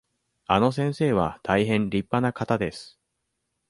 あの先生は大変りっぱな方です。